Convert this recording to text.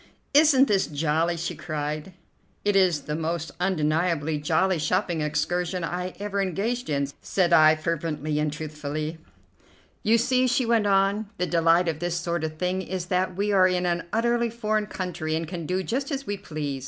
"Isn't this jolly?" she cried. "It is the most undeniably jolly shopping excursion I ever engaged in," said I, fervently and truthfully. "You see," she went on, "the delight of this sort of thing is that we are in an utterly foreign country and can do just as we please.